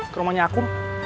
ke rumahnya aku